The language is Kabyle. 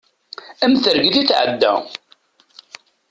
Am targit i tɛedda.